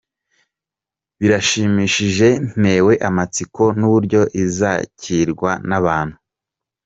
Birashimishije ntewe amatsiko n’uburyo izakirwa n’abantu.